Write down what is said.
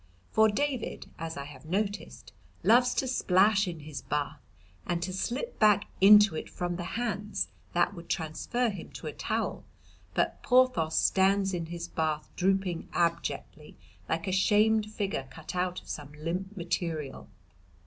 For David, as I have noticed, loves to splash in his bath and to slip back into it from the hands that would transfer him to a towel. But Porthos stands in his bath drooping abjectly like a shamed figure cut out of some limp material.